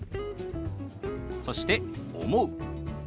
そして「思う」。